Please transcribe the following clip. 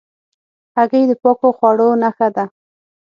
هګۍ د پاکو خواړو نښه ده.